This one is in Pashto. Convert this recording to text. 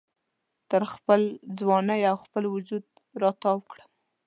تر خپل ځوانۍ او خپل وجود را تاو کړم